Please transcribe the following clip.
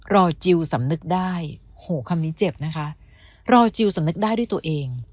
จิลสำนึกได้โหคำนี้เจ็บนะคะรอจิลสำนึกได้ด้วยตัวเอง